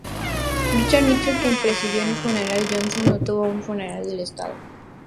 Richard Nixon, quien presidió el funeral de Johnson, no tuvo un funeral de Estado.